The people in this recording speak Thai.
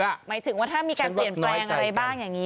หมายถึงว่าถ้ามีการเปลี่ยนแปลงอะไรบ้างอย่างนี้